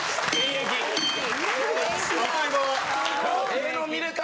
ええのん見れた！